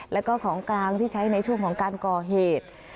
แล้วก็ของกลางที่ใช้ในช่วงของการก่อเหตุ